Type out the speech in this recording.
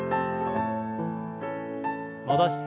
戻して。